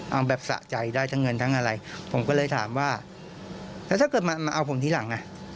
เอาแบบสะใจได้ทั้งเงินทั้งอะไรผมก็เลยถามว่าแล้วถ้าเกิดมาเอาผมทีหลังอ่ะ